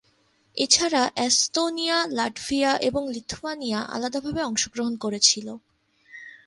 এছাড়া Estonia, Latvia, এবং Lithuania আলাদাভাবে অংশগ্রহণ করেছিল।